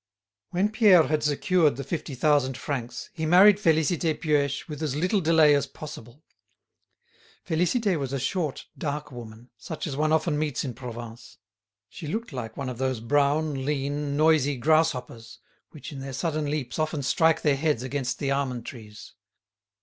When Pierre had secured the fifty thousand francs he married Félicité Puech with as little delay as possible. Félicité was a short, dark woman, such as one often meets in Provence. She looked like one of those brown, lean, noisy grasshoppers, which in their sudden leaps often strike their heads against the almond trees.